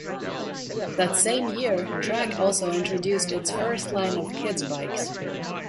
That same year Trek also introduced its first line of kids' bikes.